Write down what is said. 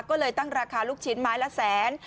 ก็เลยตั้งราคาลูกชิ้นไม้ละแสน